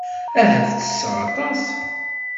Ahat ttesseɣ aṭas.